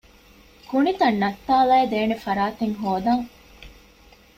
ކުނިތައް ނައްތާލައިދޭނެ ފަރާތެއް ހޯދަން